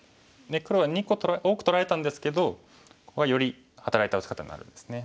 黒は２個多く取られたんですけどここがより働いた打ち方になるんですね。